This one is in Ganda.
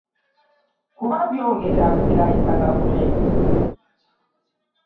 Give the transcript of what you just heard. Kuba byongera kukyayisa gavumenti.